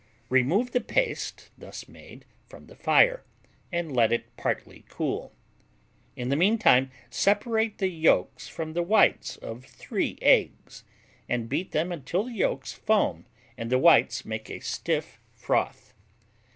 Remove the paste thus made from the fire, and let it partly cool. In the meantime separate the yolks from the whites of three eggs, and beat them until the yolks foam and the whites make a stiff froth.